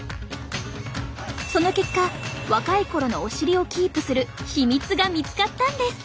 その結果若い頃のお尻をキープするヒミツが見つかったんです。